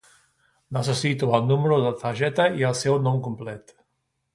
Necessito el número de la targeta i el seu nom complet.